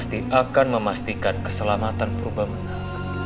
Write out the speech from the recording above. aku akan memastikan keselamatan purba menak